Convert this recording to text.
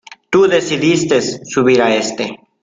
Tú decidiste subir a éste...